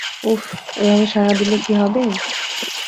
উফ, এভাবে সাড়া দিলে কি হবে!